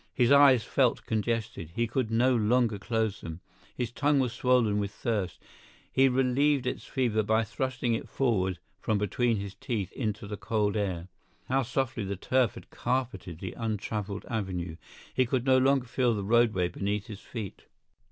His eyes felt congested; he could no longer close them. His tongue was swollen with thirst; he relieved its fever by thrusting it forward from between his teeth into the cold air. How softly the turf had carpeted the untraveled avenue—he could no longer feel the roadway beneath his feet!